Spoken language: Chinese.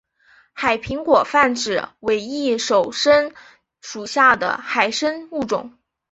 海苹果泛指伪翼手参属下的海参物种。